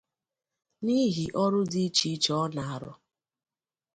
n'ihi ọrụ dị iche iche ọ na-arụ